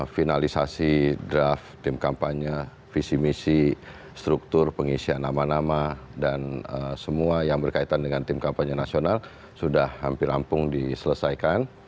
finalisasi draft tim kampanye visi misi struktur pengisian nama nama dan semua yang berkaitan dengan tim kampanye nasional sudah hampir rampung diselesaikan